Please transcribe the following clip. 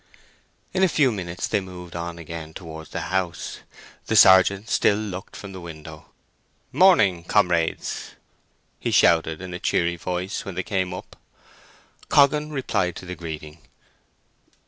In a few minutes they moved on again towards the house. The sergeant still looked from the window. "Morning, comrades!" he shouted, in a cheery voice, when they came up. Coggan replied to the greeting.